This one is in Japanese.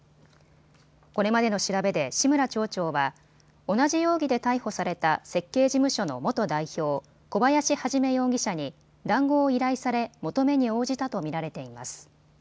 これまでの調べで志村町長は同じ容疑で逮捕された設計事務所の元代表、小林一容疑者に談合を依頼され、求めに応じたと見られています。